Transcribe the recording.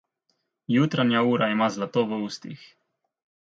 Jutranja ura ima zlato v ustih.